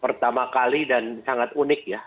pertama kali dan sangat unik ya